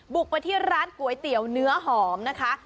บุกไปที่ร้านก๋วยเตี๋ยวเนื้อหอมนะคะ